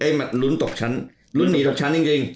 มาลุ้นตกชั้นลุ้นหนีตกชั้นจริง